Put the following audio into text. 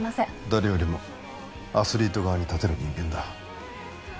誰よりもアスリート側に立てる人間だ